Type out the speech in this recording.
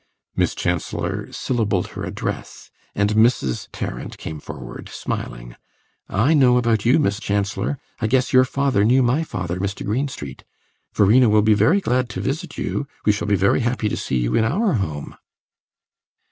Miss Chancellor syllabled her address, and Mrs. Tarrant came forward, smiling. "I know about you, Miss Chancellor. I guess your father knew my father Mr. Greenstreet. Verena will be very glad to visit you. We shall be very happy to see you in our home."